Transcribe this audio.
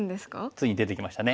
ついに出てきましたね。